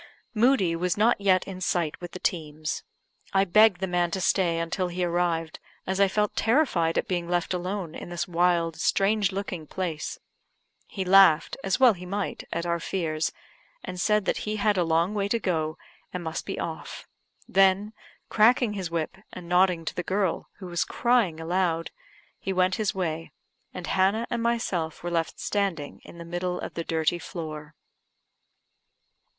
Moodie was not yet in sight with the teams. I begged the man to stay until he arrived, as I felt terrified at being left alone in this wild, strange looking place. He laughed, as well he might, at our fears, and said that he had a long way to go, and must be off; then, cracking his whip, and nodding to the girl, who was crying aloud, he went his way, and Hannah and myself were left standing in the middle of the dirty floor.